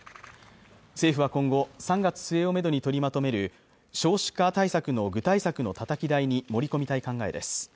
政府は今後３月末をメドに取りまとめる少子化対策の具体策のたたき台に盛り込みたい考えです